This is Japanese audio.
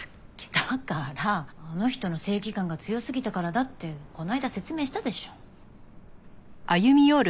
だからあの人の正義感が強すぎたからだってこの間説明したでしょ。